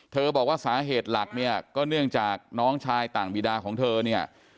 บอกว่าสาเหตุหลักเนี่ยก็เนื่องจากน้องชายต่างบีดาของเธอเนี่ย